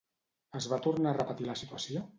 Es va tornar a repetir la situació?